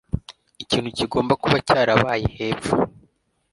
Ikintu kigomba kuba cyarabaye hepfo.